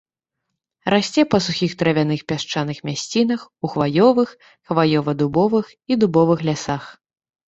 Расце па сухіх травяных пясчаных мясцінах у хваёвых, хваёва-дубовых і дубовых лясах.